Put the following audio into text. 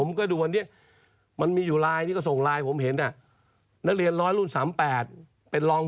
ไม่เอาที่ท่านเห็นสิเพราะว่านังสือพิมพ์ลงได้ไม่เท่าคนในหรอก